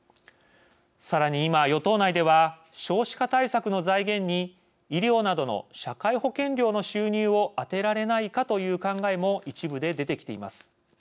さらに今、与党内では少子化対策の財源に医療などの社会保険料の収入を充てられないかという考えも一部で出てきています。